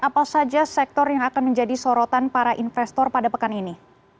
apa saja sektor yang akan menjadi sorotan para investor pada pekan ini